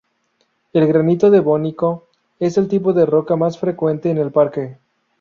El granito devónico es el tipo de roca más frecuente en el parque.